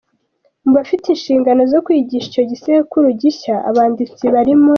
Mu bafite inshingano zo kwigisha icyo gisekuru gishya, abanditsi barimo.